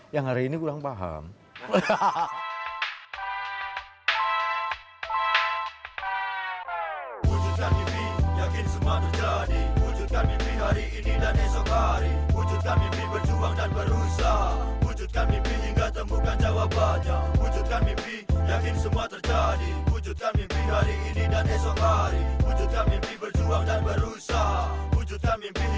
yang hari ini kurang paham